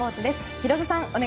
ヒロドさん